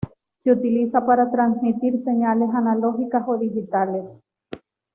Se utiliza para transmitir señales analógicas o digitales.